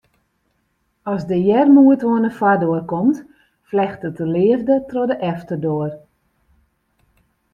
As de earmoed oan 'e foardoar komt, flechtet de leafde troch de efterdoar.